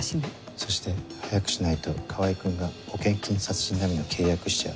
そして早くしないと川合君が保険金殺人並みの契約しちゃう。